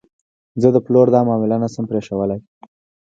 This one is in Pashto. زه د پلور دا معامله نه شم پرېښودلی.